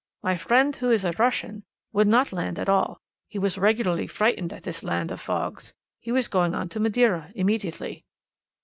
My friend, who is a Russian, would not land at all; he was regularly frightened at this land of fogs. He was going on to Madeira immediately.